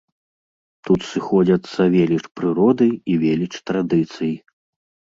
Тут сыходзяцца веліч прыроды і веліч традыцый.